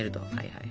はい。